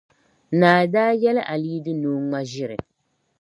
Naa daa yɛli Alidu ni o ŋma ʒiri.